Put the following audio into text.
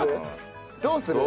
どうする？